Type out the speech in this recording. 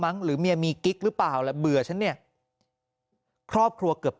หรือเมียมีกิ๊กหรือเปล่าล่ะเบื่อฉันเนี่ยครอบครัวเกือบ